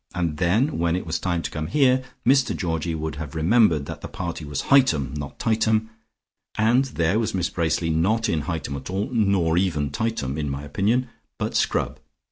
And then when it was time to come here, Mr Georgie would have remembered that the party was Hightum not Tightum, and there was Miss Bracely not in Hightum at all, nor even Tightum, in my opinion, but Scrub.